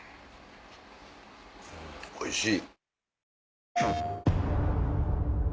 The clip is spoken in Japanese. おいしい。